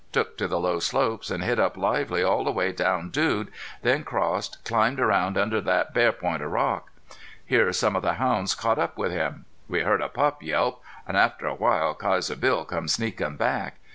Took to the low slopes an' hit up lively all the way down Dude, then crossed, climbed around under thet bare point of rock. Here some of the hounds caught up with him. We heard a pup yelp, an' after a while Kaiser Bill come sneakin' back.